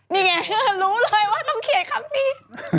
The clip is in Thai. นี่ไงรู้เลยว่าต้องเขียนคำนี้